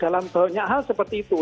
dalam banyak hal seperti itu